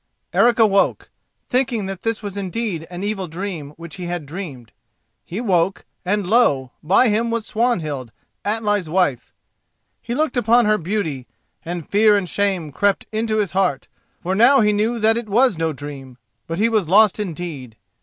Eric awoke, thinking that this was indeed an evil dream which he had dreamed. He woke, and lo! by him was Swanhild, Atli's wife. He looked upon her beauty, and fear and shame crept into his heart, for now he knew that it was no dream, but he was lost indeed.